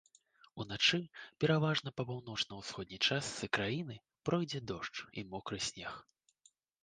Уначы пераважна па паўночна-ўсходняй частцы краіны пройдзе дождж і мокры снег.